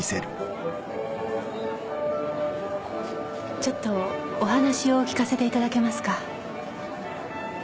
ちょっとお話を聞かせていただけますか？